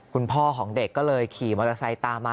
คุณพ่อของเด็กก็เลยขี่มอเตอร์ไซค์ตามมา